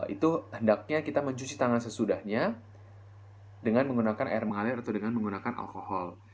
itu hendaknya kita mencuci tangan sesudahnya dengan menggunakan air mengalir atau dengan menggunakan alkohol